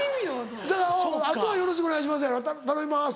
あとは「よろしくお願いします」